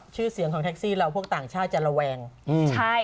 ชื่อเสียงของทักซี่เราต่างชาติ